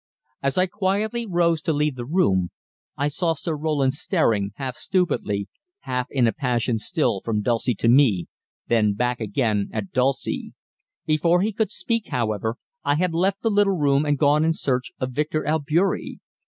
As I quietly rose to leave the room, I saw Sir Roland staring, half stupidly, half in a passion still, from Dulcie to me, then back again at Dulcie. Before he could speak, however, I had left the little room and gone in search of Victor Albeury.